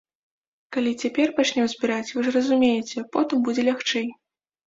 Калі цяпер пачнём збіраць, вы ж разумееце, потым будзе лягчэй.